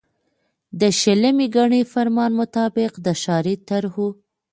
د شلمي ګڼي فرمان مطابق د ښاري طرحو